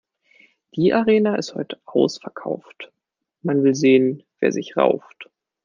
Die Arena ist heut' ausverkauft, man will sehen, wer sich rauft.